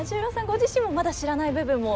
ご自身もまだ知らない部分も？